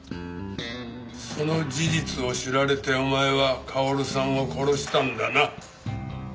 その事実を知られてお前は薫さんを殺したんだな？